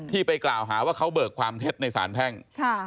ไปกล่าวหาว่าเขาเบิกความเท็จในสารแพ่ง